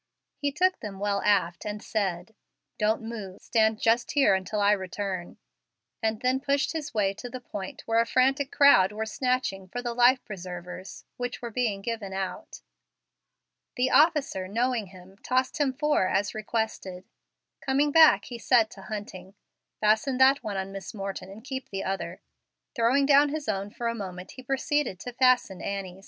He took them well aft, and said, "Don't move; stand just here until I return," and then pushed his way to the point where a frantic crowd were snatching for the life preservers which were being given out. The officer, knowing him, tossed him four as requested. Coming back, he said to Hunting, "Fasten that one on Miss Morton and keep the other." Throwing down his own for a moment, he proceeded to fasten Annie's.